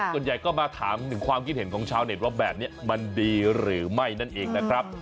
ส่วนใหญ่ก็มาถามถึงความคิดเห็นของชาวเน็ตว่าแบบนี้มันดีหรือไม่นั่นเองนะครับ